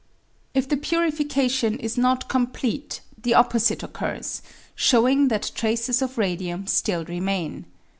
If the purification is not complete the opposite occurs, showing that traces of radium still remain.